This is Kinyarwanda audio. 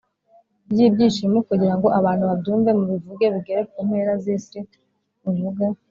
Ry ibyishimo kugira ngo abantu babyumve mubivuge bigere ku mpera z isi muvuge